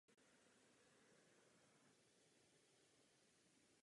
To byla klíčová témata na počátku naší diskuse.